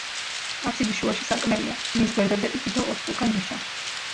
აფსიდის შუაში სარკმელია, მის გვერდებზე კი თითო ოთხკუთხა ნიშა.